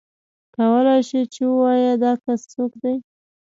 کولای شې چې ووایې دا کس څوک دی.